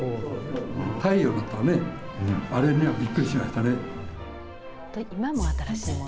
太陽がまたね、あれにはびっくりしましたね。